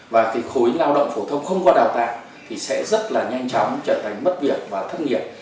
và cái khối lao động phổ thông không qua đào tạo thì sẽ rất là nhanh chóng trở thành mất việc và thất nghiệp